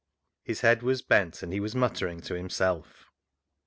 His head was bent, and he was muttering to himself.